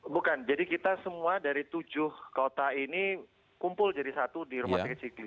bukan jadi kita semua dari tujuh kota ini kumpul jadi satu di rumah sakit siklim